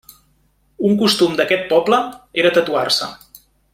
Un costum d'aquest poble era tatuar-se.